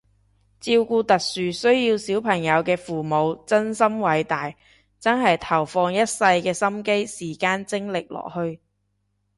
照顧特殊需要小朋友嘅父母真心偉大，真係投放一世嘅心機時間精力落去